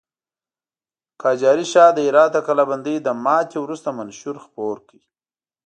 قاجاري شاه د هرات د کلابندۍ له ماتې وروسته منشور خپور کړ.